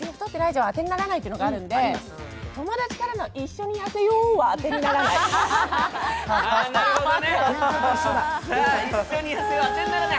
はあてにならないというのがあるので、友達からの一緒に痩せようはあてにならない。